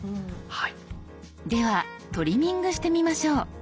ではトリミングしてみましょう。